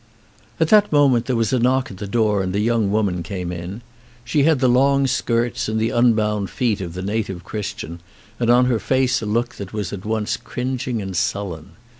At that moment there was a knock at the door and a young woman came in. She had the long skirts and the unbound feet of the native Chris tian, and on her face a look that was at once cringing and sullen.